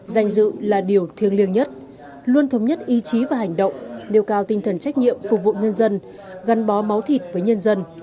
danh dự là điều thiêng liêng nhất luôn thống nhất ý chí và hành động nêu cao tinh thần trách nhiệm phục vụ nhân dân gắn bó máu thịt với nhân dân